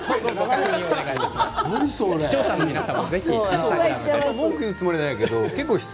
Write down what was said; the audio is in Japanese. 視聴者の皆さんもぜひ。